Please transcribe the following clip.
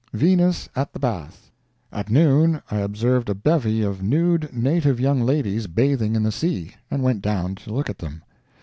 VENUS AT THE BATH At noon I observed a bevy of nude native young ladies bathing in the sea, and went down to look at them.